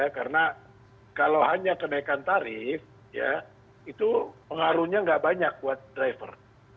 karena kalau hanya kenaikan tarif itu pengaruhnya tidak banyak buat driver